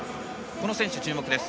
この選手、注目です。